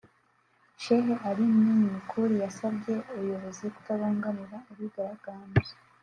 Sheikh Ali Mwinyi M’Kuur yasabye ubuyobozi kutabangamira abigaragambya